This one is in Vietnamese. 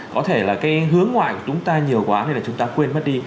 có thể là cái hướng ngoại của chúng ta nhiều quá nên là chúng ta quên mất đi